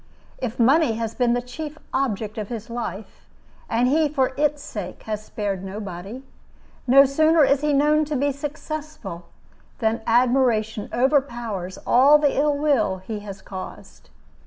If money has been the chief object of his life, and he for its sake has spared nobody, no sooner is he known to be successful than admiration overpowers all the ill will he has caused.